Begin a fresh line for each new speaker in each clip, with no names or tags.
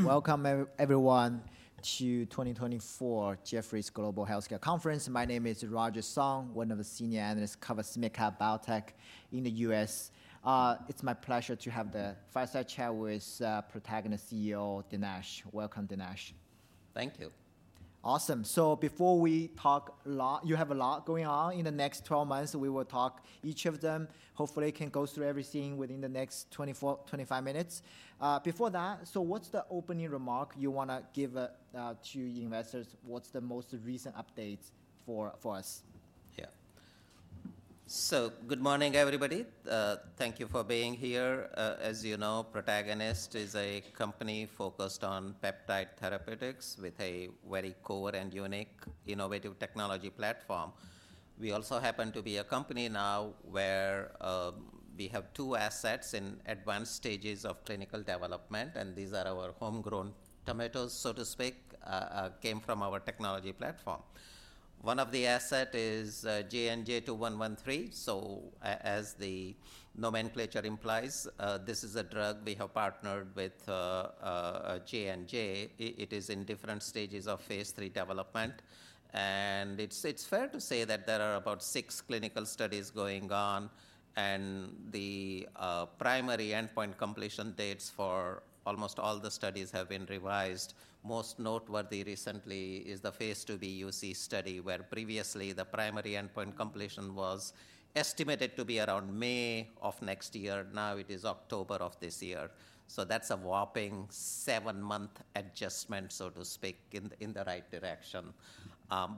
All right. Welcome everyone to 2024 Jefferies Global Healthcare Conference. My name is Roger Song, one of the senior analysts covers med tech, biotech in the US. It's my pleasure to have the fireside chat with Protagonist CEO, Dinesh. Welcome, Dinesh.
Thank you.
Awesome. So before we talk a lot. You have a lot going on in the next 12 months, so we will talk each of them. Hopefully, we can go through everything within the next 24-25 minutes. Before that, so what's the opening remark you wanna give to your investors? What's the most recent updates for us? Yeah. So good morning, everybody. Thank you for being here. As you know, Protagonist is a company focused on peptide therapeutics with a very core and unique innovative technology platform. We also happen to be a company now where we have two assets in advanced stages of clinical development, and these are our homegrown tomatoes, so to speak, came from our technology platform. One of the asset is JNJ-2113. So as the nomenclature implies, this is a drug we have partnered with J&J. It is in different stages of phase III development, and it's fair to say that there are about six clinical studies going on, and the primary endpoint completion dates for almost all the studies have been revised. Most noteworthy recently is the Phase IIb UC study, where previously the primary endpoint completion was estimated to be around May of next year. Now it is October of this year, so that's a whopping 7-month adjustment, so to speak, in the right direction.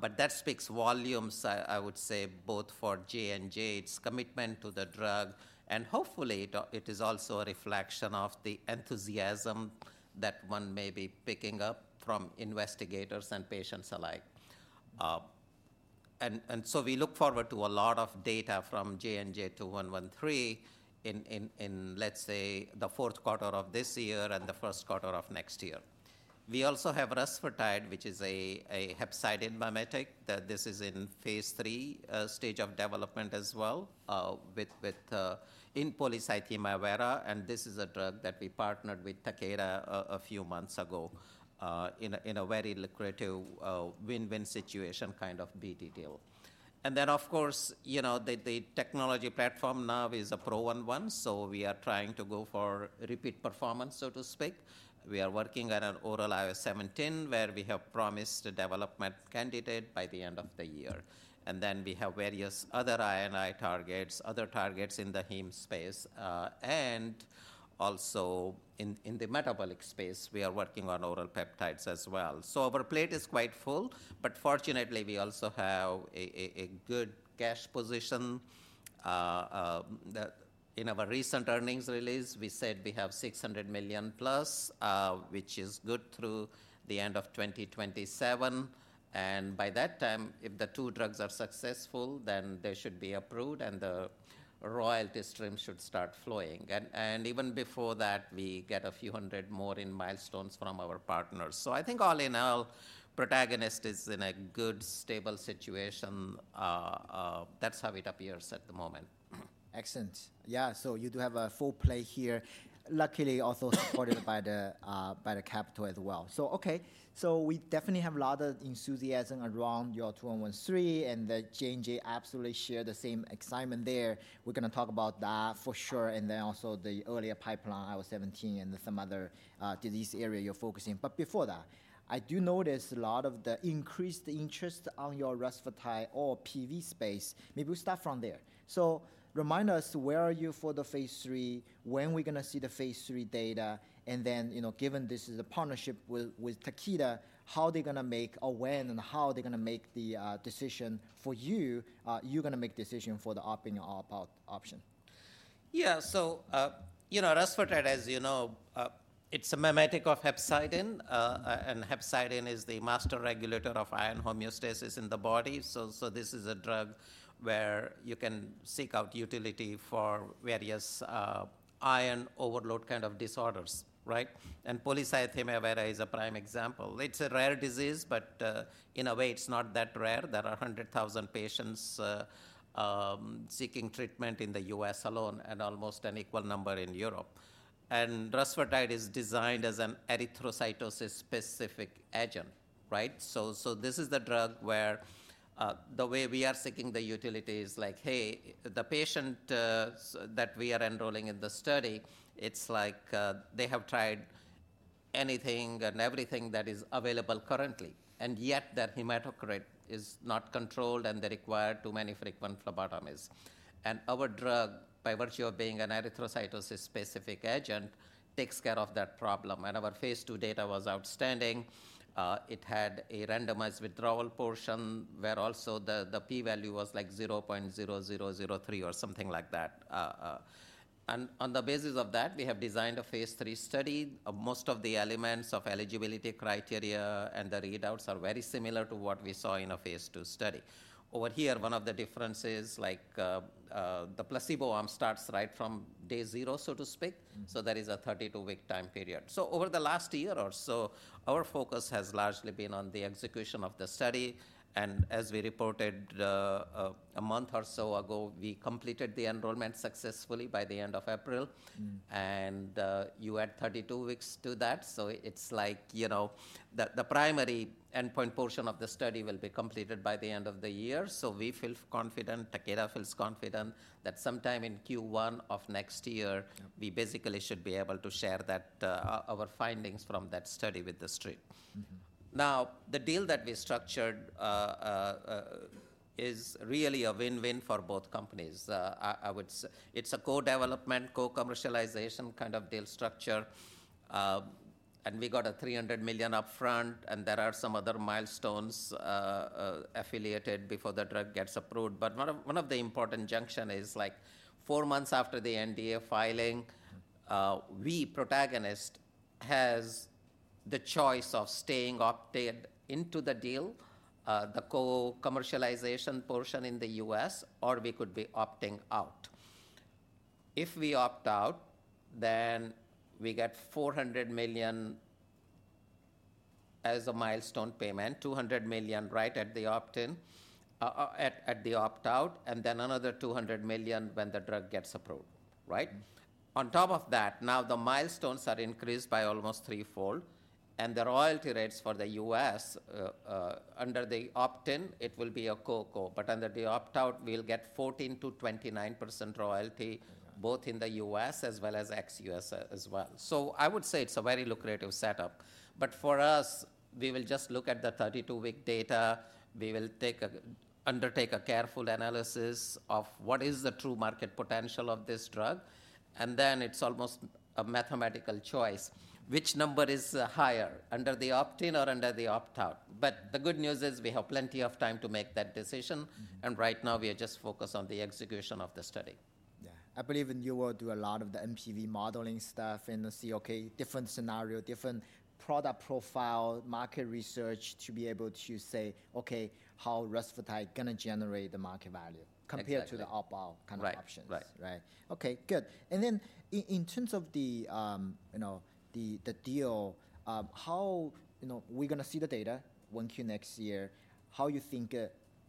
But that speaks volumes, I would say, both for J&J's commitment to the drug, and hopefully, it is also a reflection of the enthusiasm that one may be picking up from investigators and patients alike. And so we look forward to a lot of data from JNJ-2113 in, let's say, the fourth quarter of this year and the first quarter of next year. We also have rusfertide, which is a hepcidin mimetic, that this is in phase III stage of development as well, within polycythemia vera, and this is a drug that we partnered with Takeda a few months ago, in a very lucrative win-win situation, kind of BD deal. Then, of course, you know, the technology platform now is a pro one-one, so we are trying to go for repeat performance, so to speak. We are working on an oral IL-17, where we have promised a development candidate by the end of the year. Then we have various other iron targets, other targets in the heme space, and also in the metabolic space, we are working on oral peptides as well. So our plate is quite full, but fortunately, we also have a good cash position. In our recent earnings release, we said we have $600 million plus, which is good through the end of 2027, and by that time, if the two drugs are successful, then they should be approved, and the royalty stream should start flowing. And even before that, we get a few hundred million more in milestones from our partners. So I think all in all, Protagonist is in a good, stable situation. That's how it appears at the moment. Excellent. Yeah, so you do have a full plate here. Luckily, also supported by the, by the capital as well. So okay. So we definitely have a lot of enthusiasm around your JNJ-2113, and the J&J absolutely share the same excitement there. We're gonna talk about that for sure, and then also the earlier pipeline, IL-17, and some other disease area you're focusing. But before that, I do notice a lot of the increased interest on your rusfertide or PV space. Maybe we start from there. So remind us, where are you for the phase III? When we're gonna see the phase III data? And then, you know, given this is a partnership with, with Takeda, how they're gonna make or when and how they're gonna make the decision for the option or about option.
Yeah. So, you know, rusfertide, as you know, it's a mimetic of hepcidin, and hepcidin is the master regulator of iron homeostasis in the body. So, this is a drug where you can seek out utility for various, iron overload kind of disorders, right? And polycythemia vera is a prime example. It's a rare disease, but, in a way, it's not that rare. There are 100,000 patients, seeking treatment in the U.S. alone and almost an equal number in Europe. And rusfertide is designed as an erythrocytosis-specific agent, right? This is the drug where the way we are seeking the utility is like, "Hey, the patients that we are enrolling in the study," it's like, they have tried anything and everything that is available currently, and yet that hematocrit is not controlled, and they require too many frequent phlebotomies. Our drug, by virtue of being an erythrocytosis-specific agent, takes care of that problem, and our phase II data was outstanding. It had a randomized withdrawal portion, where also the P value was like 0.0003 or something like that, and on the basis of that, we have designed a phase III study. Most of the elements of eligibility criteria and the readouts are very similar to what we saw in a phase II study. Over here, one of the differences, like, the placebo arm starts right from day zero, so to speak.
Mm-hmm.
So there is a 32-week time period. So over the last year or so, our focus has largely been on the execution of the study, and as we reported, a month or so ago, we completed the enrollment successfully by the end of April.
Mm-hmm.
And, you add 32 weeks to that, so it's like, you know, the primary endpoint portion of the study will be completed by the end of the year. So we feel confident, Takeda feels confident, that sometime in Q1 of next year-
Yep...
we basically should be able to share that, our findings from that study with the Street.
Mm-hmm.
Now, the deal that we structured is really a win-win for both companies. I would say it's a co-development, co-commercialization kind of deal structure. And we got a $300 million upfront, and there are some other milestones eligible before the drug gets approved. But one of the important juncture is, like, 4 months after the NDA filing, we, Protagonist, has the choice of staying opted into the deal, the co-commercialization portion in the U.S., or we could be opting out. If we opt out, then we get $400 million as a milestone payment, $200 million right at the opt-out, and then another $200 million when the drug gets approved, right?
Mm-hmm.
On top of that, now the milestones are increased by almost threefold, and the royalty rates for the US, under the opt-in, it will be a co-co, but under the opt-out, we'll get 14%-29% royalty-
Mm-hmm...
both in the US as well as ex-US as well. So I would say it's a very lucrative setup, but for us, we will just look at the 32-week data. We will undertake a careful analysis of what is the true market potential of this drug, and then it's almost a mathematical choice. Which number is higher, under the opt-in or under the opt-out? But the good news is we have plenty of time to make that decision-
Mm-hmm...
and right now we are just focused on the execution of the study.
Yeah. I believe and you will do a lot of the NPV modeling stuff and see, okay, different scenario, different product profile, market research to be able to say: Okay, how rusfertide gonna generate the market value-
Exactly...
compared to the opt-out kind of options.
Right. Right.
Right. Okay, good. And then in terms of the, you know, the deal, how... You know, we're gonna see the data 1Q next year. How you think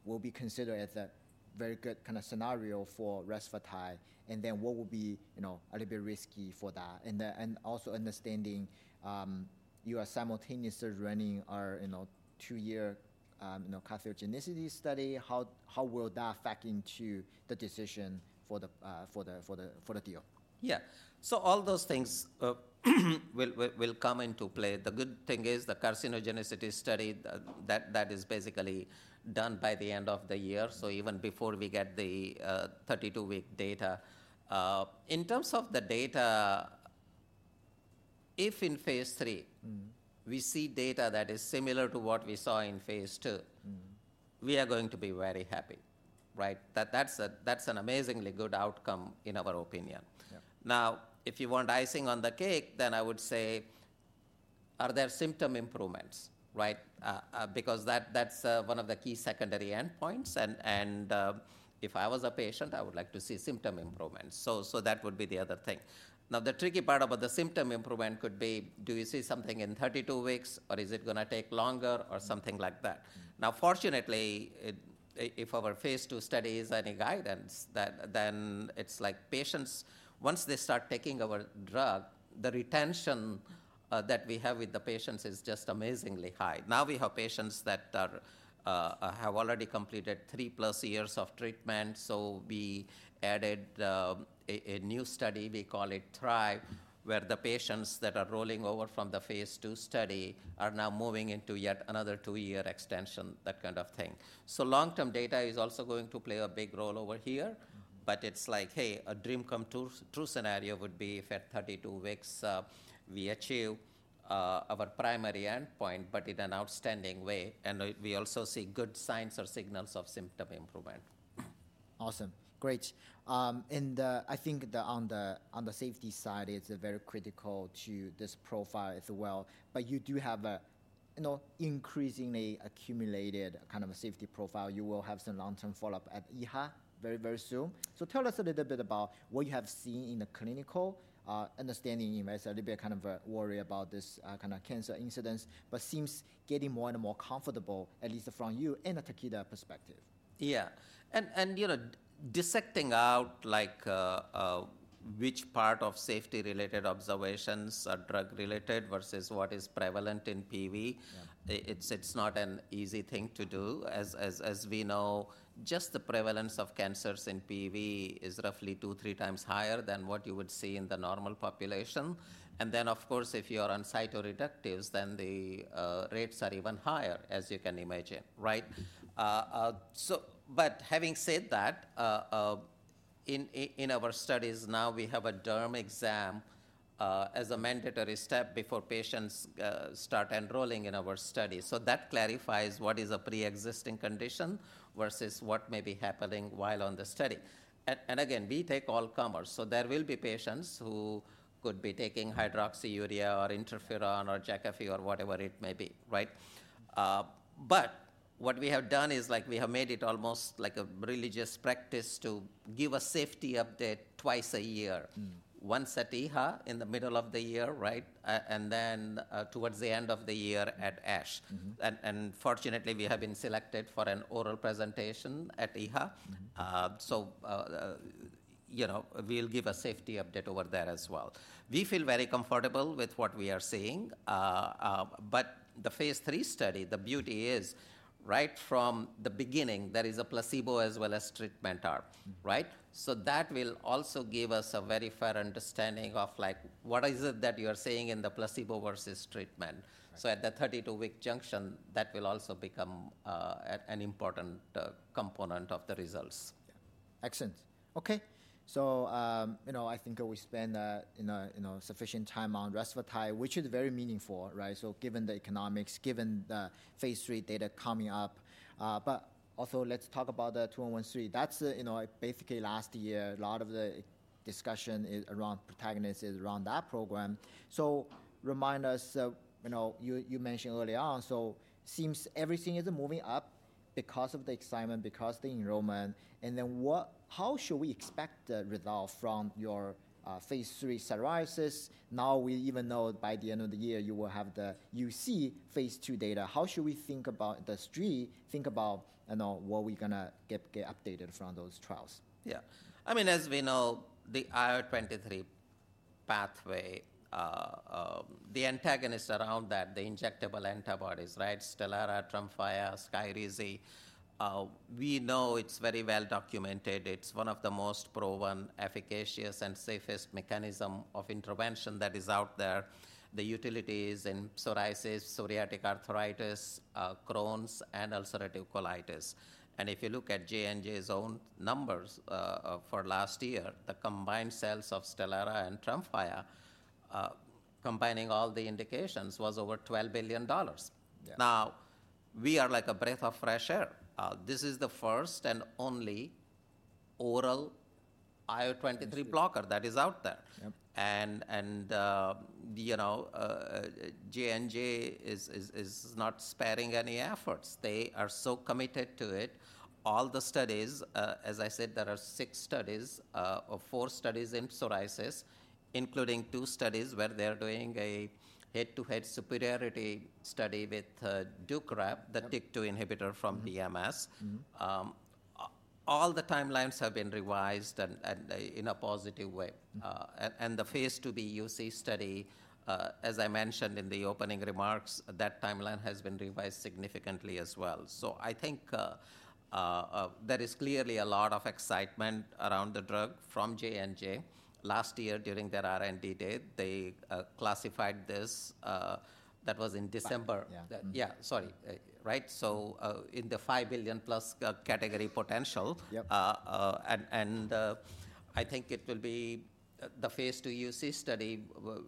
will be considered as a very good kind of scenario for rusfertide, and then what will be, you know, a little bit risky for that? And then, and also understanding, you are simultaneously running a, you know, two year carcinogenicity study. How will that factor into the decision for the deal?
Yeah. So all those things will come into play. The good thing is the carcinogenicity study that is basically done by the end of the year.
Mm-hmm.
So even before we get the 32-week data. In terms of the data, if in phase III-
Mm-hmm...
we see data that is similar to what we saw in phase II-
Mm-hmm...
we are going to be very happy, right? That's—that's an amazingly good outcome in our opinion.
Yeah.
Now, if you want icing on the cake, then I would say, are there symptom improvements, right? Because that, that's one of the key secondary endpoints, and, if I was a patient, I would like to see symptom improvement. So, that would be the other thing. Now, the tricky part about the symptom improvement could be, do you see something in 32 weeks, or is it gonna take longer, or something like that?
Mm-hmm.
Now, fortunately, if our phase II study is any guidance, then, then it's like patients, once they start taking our drug, the retention that we have with the patients is just amazingly high. Now we have patients that are, have already completed 3+ years of treatment, so we added a new study, we call it THRIVE, where the patients that are rolling over from the phase II study are now moving into yet another two year extension, that kind of thing. So long-term data is also going to play a big role over here.
Mm-hmm.
But it's like, hey, a dream-come-true, true scenario would be if at 32 weeks, we achieve our primary endpoint, but in an outstanding way, and we, we also see good signs or signals of symptom improvement.
Awesome. Great. And I think on the safety side, it's very critical to this profile as well, but you do have a, you know, increasingly accumulated kind of a safety profile. You will have some long-term follow-up at EHA very, very soon. So tell us a little bit about what you have seen in the clinic, understanding investors a little bit, kind of worry about this kind of cancer incidence, but seems getting more and more comfortable, at least from you and the Takeda perspective.
Yeah, and, you know, dissecting out like, which part of safety-related observations are drug-related versus what is prevalent in PV-
Yeah
It's not an easy thing to do. As we know, just the prevalence of cancers in PV is roughly 2-3 times higher than what you would see in the normal population. And then, of course, if you are on cytoreductives, then the rates are even higher, as you can imagine, right? So but having said that, in our studies now, we have a derm exam as a mandatory step before patients start enrolling in our study. So that clarifies what is a preexisting condition versus what may be happening while on the study. And again, we take all comers, so there will be patients who could be taking hydroxyurea or interferon or Jakafi or whatever it may be, right? But what we have done is, like, we have made it almost like a religious practice to give a safety update twice a year.
Mm.
Once at EHA in the middle of the year, right? And then towards the end of the year at ASH.
Mm-hmm.
Fortunately, we have been selected for an oral presentation at EHA.
Mm-hmm.
So, you know, we'll give a safety update over there as well. We feel very comfortable with what we are seeing. But the phase III study, the beauty is right from the beginning, there is a placebo as well as treatment arm, right?
Mm-hmm.
So that will also give us a very fair understanding of like, what is it that you are seeing in the placebo versus treatment.
Right.
So at the 32-week junction, that will also become an important component of the results.
Yeah. Excellent. Okay, so, you know, I think we spend, you know, you know, sufficient time on rusfertide, which is very meaningful, right? So given the economics, given the phase III data coming up, but also let's talk about the JNJ-2113. That's, you know, basically last year, a lot of the discussion is around Protagonist is around that program. So remind us of, you know, you mentioned early on, so seems everything is moving up because of the excitement, because the enrollment, and then what-- how should we expect the result from your phase III psoriasis? Now, we even know by the end of the year, you will have the UC phase II data. How should we think about the Street, think about, you know, what we're gonna get, get updated from those trials?
Yeah. I mean, as we know, the IL-23 pathway, the antagonist around that, the injectable antibodies, right? Stelara, Tremfya, Skyrizi, we know it's very well documented. It's one of the most proven, efficacious, and safest mechanism of intervention that is out there. The utilities in psoriasis, psoriatic arthritis, Crohn's, and ulcerative colitis. And if you look at J&J's own numbers, for last year, the combined sales of Stelara and Tremfya, combining all the indications, was over $12 billion.
Yeah.
Now, we are like a breath of fresh air. This is the first and only oral IL-23 blocker-
Yes...
that is out there.
Yep.
You know, J&J is not sparing any efforts. They are so committed to it. All the studies, as I said, there are 6 studies, or 4 studies in psoriasis, including 2 studies where they're doing a head-to-head superiority study with Sotyktu-
Yep...
the TYK2 inhibitor from BMS.
Mm-hmm. Mm-hmm.
All the timelines have been revised and in a positive way.
Mm-hmm.
And the phase IIb UC study, as I mentioned in the opening remarks, that timeline has been revised significantly as well. So I think there is clearly a lot of excitement around the drug from J&J. Last year, during their R&D day, they classified this. That was in December.
Yeah.
Sorry. Right. So, in the $5 billion+ category potential.
Yep.
I think it will be the phase II UC study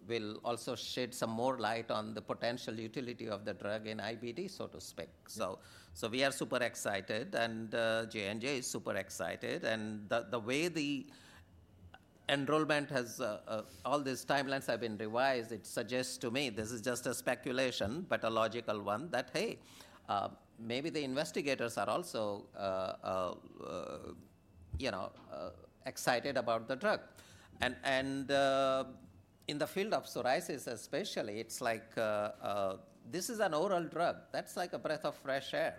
will also shed some more light on the potential utility of the drug in IBD, so to speak.
Yeah.
So we are super excited, and J&J is super excited. And the way the enrollment has all these timelines have been revised, it suggests to me, this is just a speculation, but a logical one, that hey, maybe the investigators are also you know excited about the drug. And in the field of psoriasis especially, it's like this is an oral drug. That's like a breath of fresh air.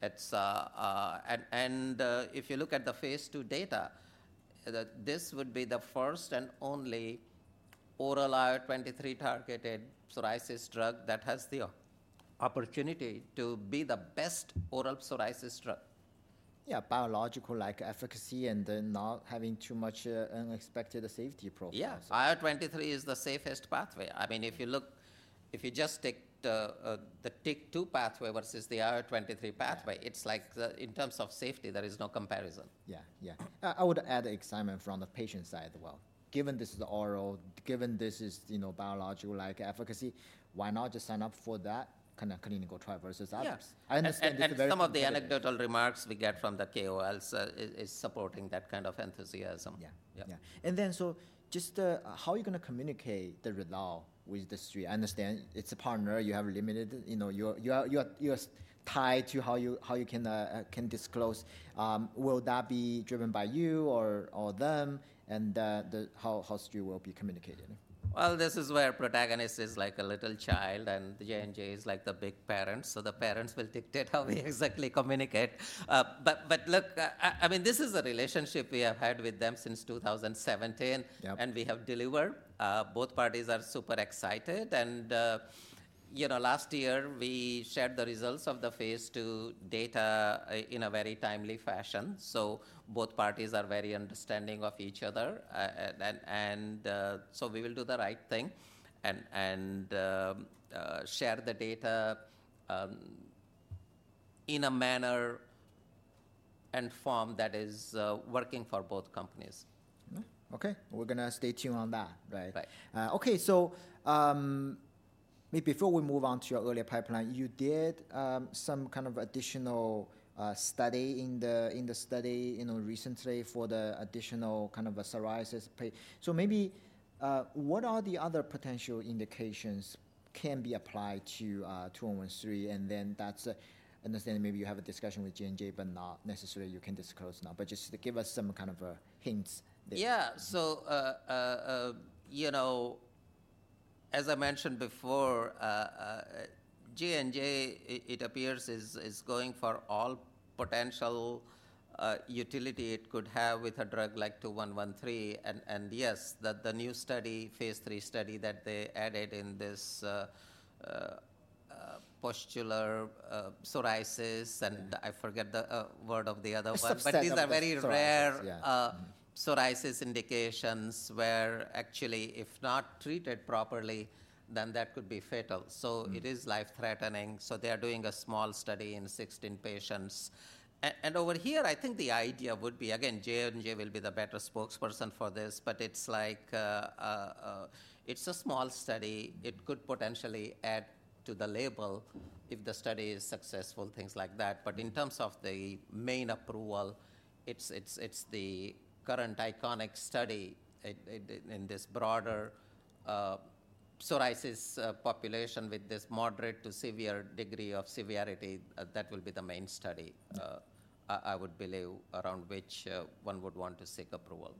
It's... And if you look at the phase II data, this would be the first and only oral IL-23-targeted psoriasis drug that has the opportunity to be the best oral psoriasis drug.
Yeah, biological-like efficacy and then not having too much, unexpected safety problems.
Yeah. IL-23 is the safest pathway. I mean, if you look, if you just take the TYK2 pathway versus the IL-23 pathway, it's like the, in terms of safety, there is no comparison.
Yeah. Yeah. I would add the excitement from the patient side well. Given this is oral, given this is, you know, biological-like efficacy, why not just sign up for that kind of clinical trial versus others?
Yeah.
I understand it's a very-
Some of the anecdotal remarks we get from the KOLs is supporting that kind of enthusiasm.
Yeah.
Yeah.
Yeah. And then, so just how are you gonna communicate the result with the Street? I understand it's a partner, you have limited, you know, you're tied to how you can disclose. Will that be driven by you or them, and how the Street will be communicated?
Well, this is where Protagonist is like a little child, and J&J is like the big parents, so the parents will dictate how we exactly communicate. But look, I mean, this is a relationship we have had with them since 2017.
Yep.
We have delivered. Both parties are super excited. You know, last year, we shared the results of the phase II data in a very timely fashion, so both parties are very understanding of each other. So we will do the right thing and share the data in a manner and form that is working for both companies.
Okay, we're gonna stay tuned on that, right?
Right.
Okay, so, maybe before we move on to your earlier pipeline, you did some kind of additional study in the study, you know, recently for the additional kind of a psoriasis so maybe what are the other potential indications can be applied to 2, 1, 1, 3, and then that's understanding maybe you have a discussion with J&J but not necessarily you can disclose now. But just to give us some kind of hints.
Yeah. So, you know, as I mentioned before, J&J, it appears, is going for all potential utility it could have with a drug like JNJ-2113. And yes, the new study, phase III study that they added in this, pustular psoriasis, and I forget the word of the other one-
Subset of the Psoriasis.
But these are very rare-
Yeah ...
psoriasis indications where actually, if not treated properly, then that could be fatal.
Mm-hmm.
So it is life-threatening, so they are doing a small study in 16 patients. And over here, I think the idea would be, again, J&J will be the better spokesperson for this, but it's like, it's a small study. It could potentially add to the label-
Mm...
if the study is successful, things like that. But in terms of the main approval, it's the current icotrokinra study in this broader psoriasis population with this moderate to severe degree of severity that will be the main study-
Mm...
I would believe around which one would want to seek approval.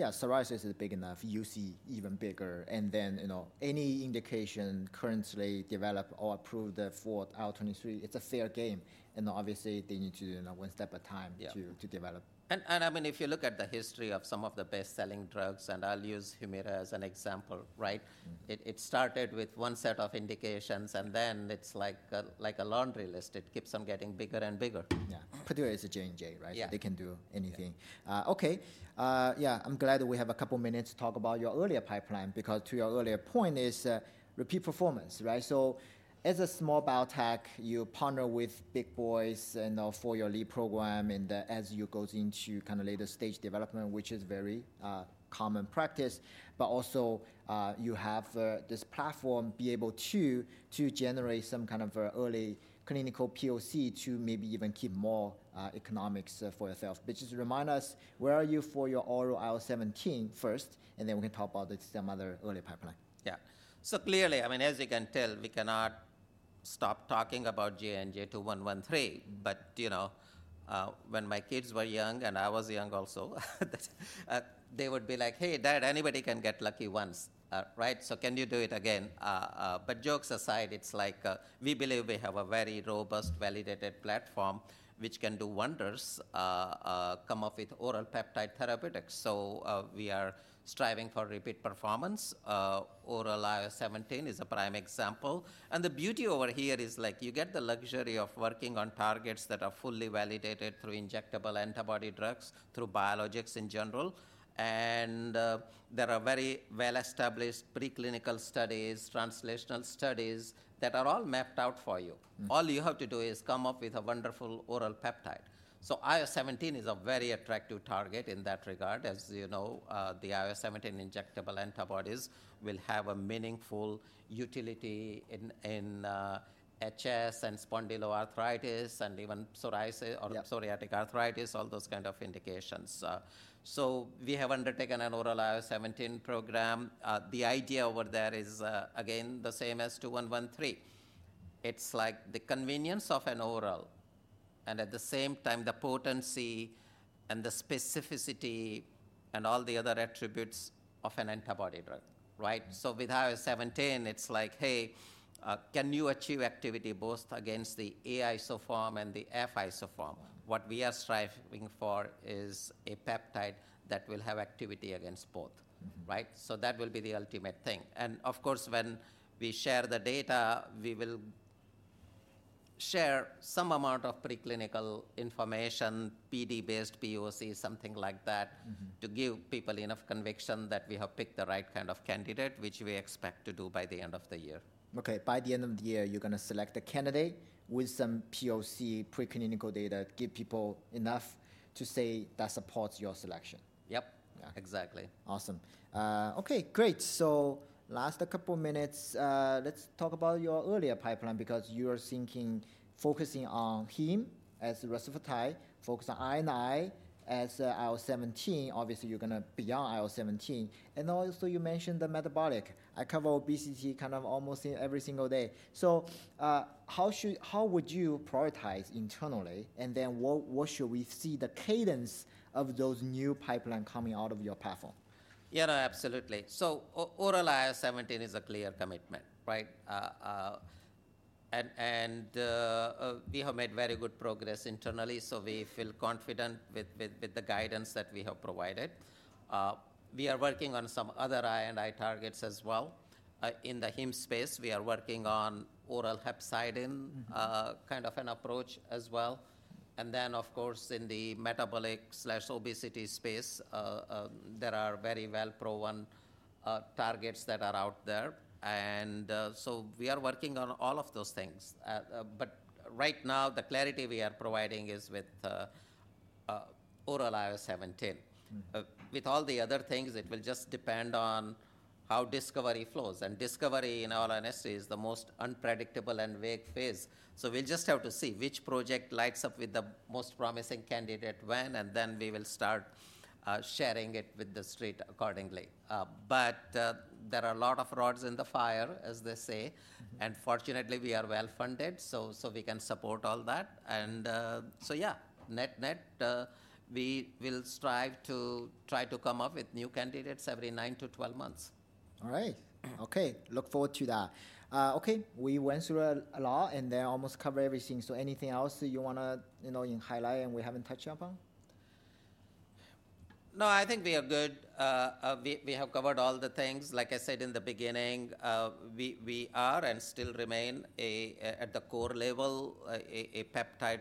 Yeah, psoriasis is big enough, UC even bigger, and then, you know, any indication currently developed or approved for IL-23, it's a fair game, and obviously, they need to, you know, one step at a time-
Yeah...
to develop.
I mean, if you look at the history of some of the best-selling drugs, and I'll use Humira as an example, right?
Mm-hmm.
It started with one set of indications, and then it's like a laundry list. It keeps on getting bigger and bigger.
Yeah. Partner is a J&J, right?
Yeah.
They can do anything.
Yeah.
Okay. Yeah, I'm glad we have a couple minutes to talk about your earlier pipeline, because to your earlier point is, repeat performance, right? So as a small biotech, you partner with big boys, you know, for your lead program and, as you go into kind of later stage development, which is very, common practice, but also, you have this platform be able to, to generate some kind of, early clinical POC to maybe even keep more, economics, for yourself. But just remind us, where are you for your oral IL-17 first, and then we can talk about some other early pipeline.
Yeah. So clearly, I mean, as you can tell, we cannot stop talking about JNJ-2113. But, you know, when my kids were young, and I was young also, they would be like: "Hey, Dad, anybody can get lucky once, right? So can you do it again?" But jokes aside, it's like, we believe we have a very robust, validated platform which can do wonders, come up with oral peptide therapeutics. So, we are striving for repeat performance. Oral IL-17 is a prime example. And the beauty over here is, like, you get the luxury of working on targets that are fully validated through injectable antibody drugs, through biologics in general, and there are very well-established preclinical studies, translational studies, that are all mapped out for you.
Mm.
All you have to do is come up with a wonderful oral peptide. So IL-17 is a very attractive target in that regard. As you know, the IL-17 injectable antibodies will have a meaningful utility in HS and spondyloarthritis and even psoriasi-
Yeah...
or psoriatic arthritis, all those kind of indications. So we have undertaken an oral IL-17 program. The idea over there is, again, the same as JNJ-2113. It's like the convenience of an oral, and at the same time, the potency and the specificity and all the other attributes of an antibody drug, right?
Mm.
So with IL-17, it's like, hey, can you achieve activity both against the A isoform and the F isoform? What we are striving for is a peptide that will have activity against both.
Mm-hmm.
Right? That will be the ultimate thing. Of course, when we share the data, we will share some amount of preclinical information, PD-based POC, something like that-
Mm-hmm...
to give people enough conviction that we have picked the right kind of candidate, which we expect to do by the end of the year.
Okay, by the end of the year, you're gonna select a candidate with some POC preclinical data, give people enough to say that supports your selection.
Yep.
Yeah.
Exactly.
Awesome. Okay, great. So last couple minutes, let's talk about your earlier pipeline, because you are thinking focusing on Heme as rusfertide, focus on I&I as IL-17. Obviously, you're gonna beyond IL-17. And also, you mentioned the metabolic. I cover obesity kind of almost every single day. So, how would you prioritize internally, and then what should we see the cadence of those new pipeline coming out of your platform?
Yeah, no, absolutely. So oral IL-17 is a clear commitment, right? We have made very good progress internally, so we feel confident with the guidance that we have provided. We are working on some other I&I targets as well. In the Heme space, we are working on oral hepcidin-
Mm-hmm...
kind of an approach as well. And then, of course, in the metabolic/obesity space, there are very well-proven targets that are out there. And so we are working on all of those things. But right now, the clarity we are providing is with oral IL-17.
Mm.
With all the other things, it will just depend on how discovery flows, and discovery, in all honesty, is the most unpredictable and vague phase. So we'll just have to see which project lights up with the most promising candidate when, and then we will start sharing it with the Street accordingly. But there are a lot of irons in the fire, as they say.
Mm-hmm.
Fortunately, we are well-funded, so we can support all that. So yeah, net-net, we will strive to try to come up with new candidates every 9-12 months.
All right.
Mm.
Okay, look forward to that. Okay, we went through a lot and then almost covered everything. So anything else that you wanna, you know, highlight and we haven't touched upon?
No, I think we are good. We have covered all the things. Like I said in the beginning, we are and still remain at the core level a peptide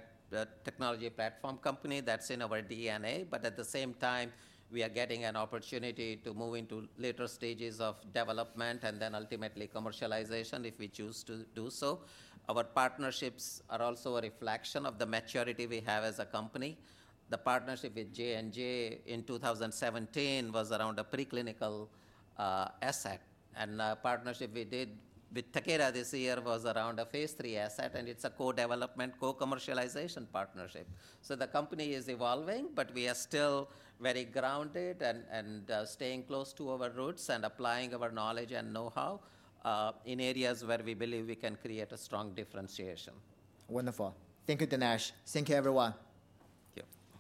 technology platform company. That's in our DNA, but at the same time, we are getting an opportunity to move into later stages of development and then ultimately commercialization if we choose to do so. Our partnerships are also a reflection of the maturity we have as a company. The partnership with J&J in 2017 was around a preclinical asset, and the partnership we did with Takeda this year was around a phase III asset, and it's a co-development, co-commercialization partnership. The company is evolving, but we are still very grounded and staying close to our roots and applying our knowledge and know-how in areas where we believe we can create a strong differentiation.
Wonderful. Thank you, Dinesh. Thank you, everyone.
Thank you.